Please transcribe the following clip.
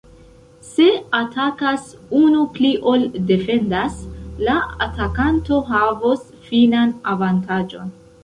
Se atakas unu pli ol defendas, la atakanto havos finan avantaĝon.